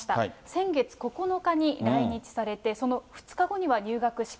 先月９日に来日されて、その２日後には入学式。